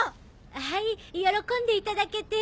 はい喜んでいただけて。